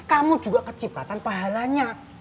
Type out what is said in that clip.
kamu juga keciptakan pahalanya